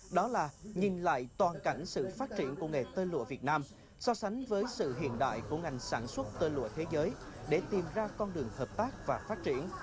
đó là nhìn lại toàn cảnh sự phát triển của nghề tơ lụa việt nam so sánh với sự hiện đại của ngành sản xuất tơ lụa thế giới để tìm ra con đường hợp tác và phát triển